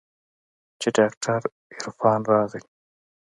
چې ډاکتر عرفان راغى.